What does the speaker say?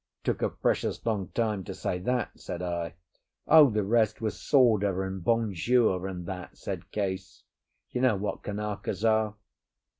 "It took a precious long time to say that," said I. "O, the rest was sawder and bonjour and that," said Case. "You know what Kanakas are."